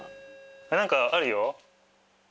何かあるよ！